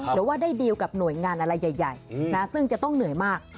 หรือว่าได้ดีลกับหน่วยงานอะไรใหญ่ซึ่งจะต้องเหนื่อยมาก